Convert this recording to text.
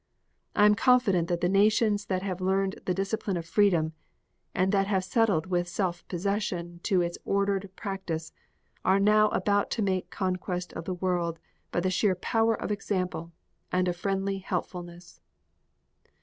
I am confident that the nations that have learned the discipline of freedom and that have settled with self possession to its ordered practice are now about to make conquest of the world by the sheer power of example and of friendly helpfulness.